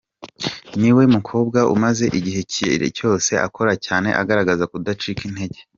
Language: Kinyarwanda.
Ni we mukobwa umaze iki gihe cyose akora cyane, agaragaza kudacika intege.